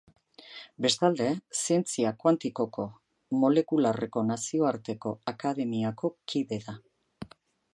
Bestalde, Zientzia Kuantiko Molekularreko Nazioarteko Akademiako kide da.